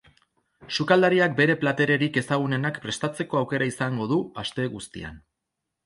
Sukaldariak bere platererik ezagunenak prestatzeko aukera izango du aste guztian.